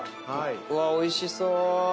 うわっおいしそう。